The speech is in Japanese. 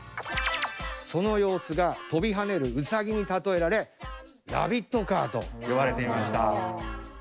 その様子が飛び跳ねるウサギに例えられラビットカーと呼ばれていました。